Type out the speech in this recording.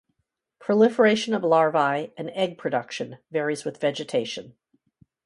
Proliferation of larvae and egg production varies with vegetation.